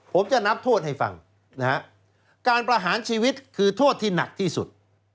ผมจะนับโทษให้ฟังนะฮะการประหารชีวิตคือโทษที่หนักที่สุด